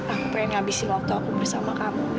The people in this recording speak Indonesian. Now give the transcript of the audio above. aku pengen ngabisin waktu aku bersama kamu